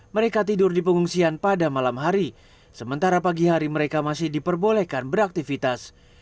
mereka tidur di pengungsian pada malam hari sementara pagi hari mereka masih diperbolehkan beraktivitas